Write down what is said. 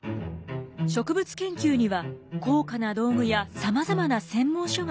植物研究には高価な道具やさまざまな専門書が必要でした。